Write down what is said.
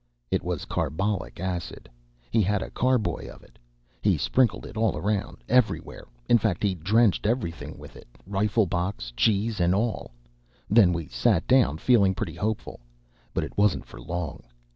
It was carbolic acid. He had a carboy of it. He sprinkled it all around everywhere; in fact he drenched everything with it, rifle box, cheese and all. Then we sat down, feeling pretty hopeful. But it wasn't for long.